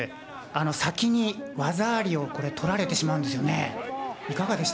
先に技ありをこれ、取られてしまうんですよね。